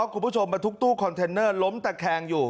คุณผู้ชมมาทุกตู้คอนเทนเนอร์ล้มแต่แคงอยู่